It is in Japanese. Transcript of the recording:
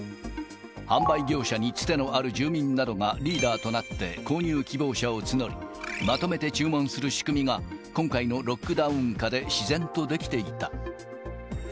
販売業者につてのある住民などがリーダーとなって、購入希望者を募り、まとめて注文する仕組みが、今回のロックダウン下で自然と出来ていた。